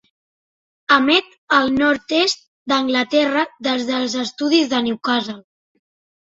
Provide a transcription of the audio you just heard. Emet al nord-est d'Anglaterra des dels estudis de Newcastle.